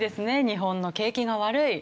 日本の景気が悪い。